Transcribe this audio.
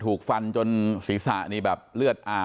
เรื่องอันนี้ไม่เกี่ยวกับของหนูนะ